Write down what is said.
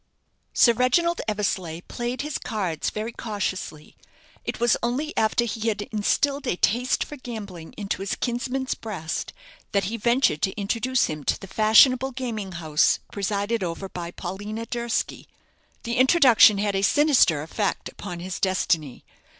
Sir Reginald Eversleigh played his cards very cautiously. It was only after he had instilled a taste for gambling into his kinsman's breast that he ventured to introduce him to the fashionable gaming house presided over by Paulina Durski. The introduction had a sinister effect upon his destiny.